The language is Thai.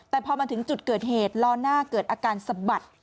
แต่พอมาถึงจุดเกิดเหตุล้อหน้าเกิดอาการสะบัด